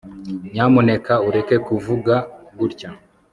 nyamuneka ureke kuvuga gutya